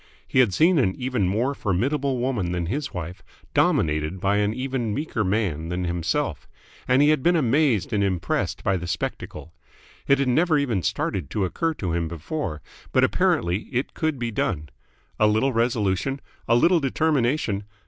He had seen an even more formidable woman than his wife dominated by an even meeker man than himself, and he had been amazed and impressed by the spectacle. It had never even started to occur to him before, but apparently it could be done. A little resolution, a little determination